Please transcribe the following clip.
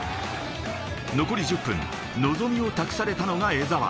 残り１０分、望みを託されたのが江沢。